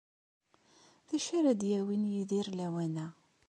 D acu ara d-yawin Yidir lawan-a?